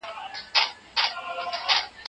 که خویندې لیک لوست زده کړي نو محتاج به نه وي.